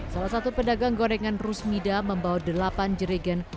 salah satu pedagang gorengan rusmida membawa delapan jerigen